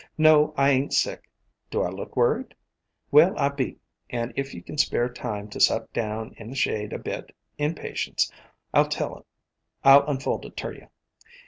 "No, I ain't sick. Do I look worriet ? Well, I be, and if you can spare time to set down in the shade a bit in patience, I '11 unfold it ter you.